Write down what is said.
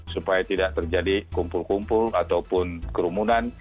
supaya tidak terjadi kumpul kumpul ataupun kerumunan